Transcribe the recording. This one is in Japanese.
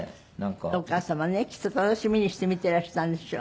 お母様ねきっと楽しみにして見てらしたんでしょう。